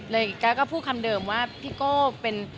แกก็พูดคำเดิมว่าพี่โก้เป็น